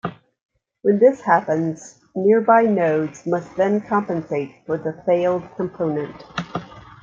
When this happens, nearby nodes must then compensate for the failed component.